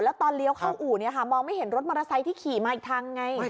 แล้วตอนเลี้ยวเข้าอู่มองไม่เห็นรถมอเตอร์ไซค์ที่ขี่มาอีกทางไง